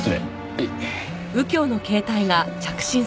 はい。